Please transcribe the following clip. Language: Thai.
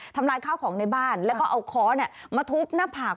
ลายข้าวของในบ้านแล้วก็เอาค้อนมาทุบหน้าผาก